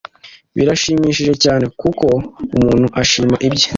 Birashimishije cyane nkuko umuntu ashima ibye